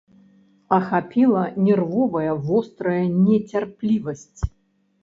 Ахапіла нервовая вострая нецярплівасць.